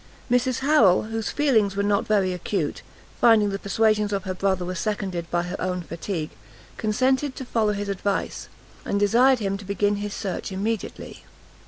Mrs Harrel, whose feelings were not very acute, finding the persuasions of her brother were seconded by her own fatigue, consented to follow his advice, and desired him to begin his search immediately.